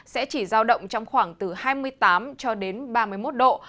sẽ chỉ giao động trong khoảng từ hai mươi tám cho đến ba mươi một độ